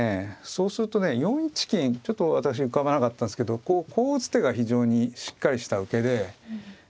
そうするとね４一金ちょっと私浮ばなかったんですけどこう打つ手が非常にしっかりした受けで。